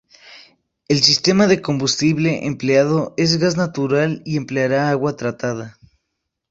El sistema de combustible empleado es gas natural y empleara agua tratada.